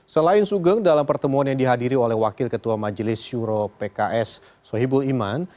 selain sugeng dalam pertemuan yang dihadiri oleh wakil ketua majelis syuro pks sohibul iman